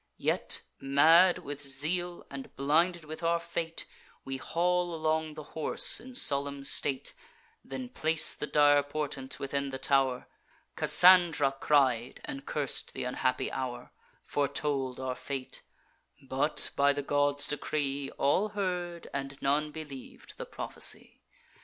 Yet, mad with zeal, and blinded with our fate, We haul along the horse in solemn state; Then place the dire portent within the tow'r. Cassandra cried, and curs'd th' unhappy hour; Foretold our fate; but, by the god's decree, All heard, and none believ'd the prophecy.